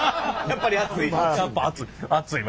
やっぱ熱い。